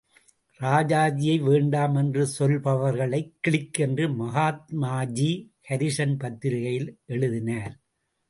ராஜாஜியை வேண்டாம் என்று சொல்பவர்களை கிளிக் என்று மகாத்மாஜீ ஹரிஜன் பத்திரிகையில் எழுதினார்.